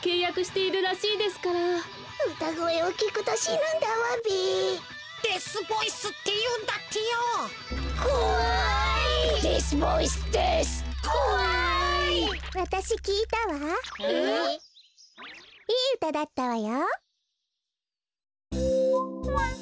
いいうただったわよ。